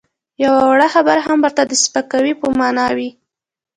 یوه وړه خبره هم ورته د سپکاوي په مانا وي.